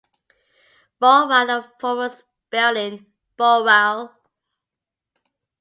Bowral and the former spelling "Bowrall".